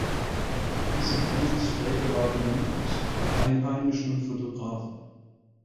Diese Gebirgsstrecke war beliebt bei Einheimischen und Fotografen.